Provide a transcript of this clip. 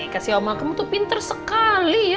kasih sama kamu tuh pinter sekali ya